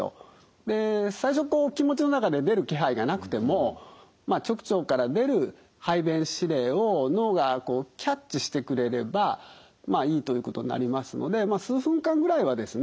で最初こう気持ちの中で出る気配がなくてもまあ直腸から出る排便指令を脳がこうキャッチしてくれればまあいいということになりますのでまあ数分間くらいはですね